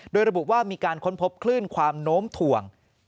โดยระบุว่ามีการค้นพบคลื่นความโน้มถ่วง